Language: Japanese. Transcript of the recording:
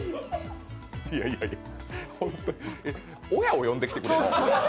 いやいやいや親を呼んできてくれ。